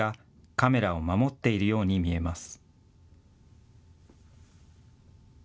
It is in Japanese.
カメラを守っているように見えます。